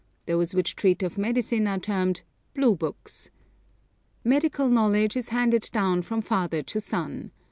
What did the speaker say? Those which treat of medicine are termed 'blue books.' Medical knowledge is handed down from father to son.